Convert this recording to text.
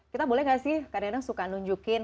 kita boleh gak sih kadang kadang suka nunjukin